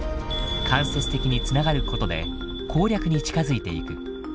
間接的に繋がることで攻略に近づいていく。